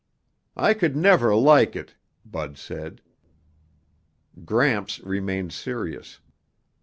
"I could never like it!" Bud said. Gramps remained serious.